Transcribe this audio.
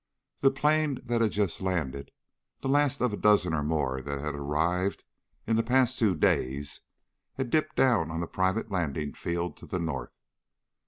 The plane that had just landed the last of a dozen or more that had arrived in the past two days had dipped down on the private landing field to the north.